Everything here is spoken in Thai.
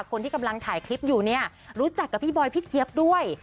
คนที่กำลังถ่ายคลิปอยู่เนี่ยรู้จักกับพี่บอยพี่เจี๊ยบด้วย